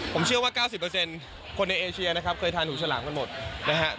ผมเชื่อว่า๙๐คนในเอเชียนะครับเคยทานหูฉลามกันหมดนะครับ